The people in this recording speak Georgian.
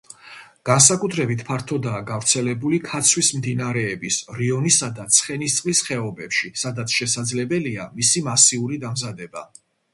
განსაკუთრებით ფართოდაა გავრცელებული ქაცვის მდინარეების რიონისა და ცხენისწყლის ხეობებში, სადაც შესაძლებელია მისი მასიურად დამზადება.